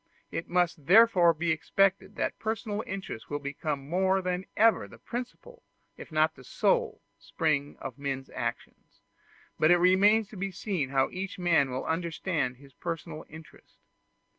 It must therefore be expected that personal interest will become more than ever the principal, if not the sole, spring of men's actions; but it remains to be seen how each man will understand his personal interest.